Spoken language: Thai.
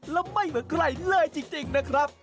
และไม่เหมือนใครเลยจริงนะครับ